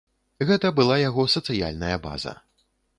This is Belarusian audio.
Гэта была яго сацыяльная база.